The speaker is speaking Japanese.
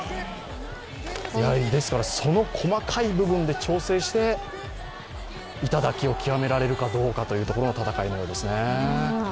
その細かい部分で調整して頂きを極められるかどうかというところの戦いのようですね。